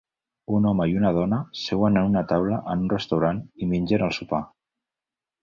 un home i una dona seuen en una taula en un restaurant i mengen el sopar